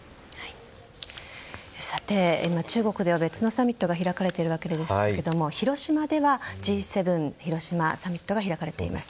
中国では別のサミットが開かれていますが広島ではＧ７広島サミットが開かれています。